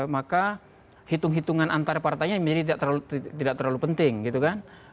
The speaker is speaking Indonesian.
maka hitung hitungan antar partainya menjadi tidak terlalu penting gitu kan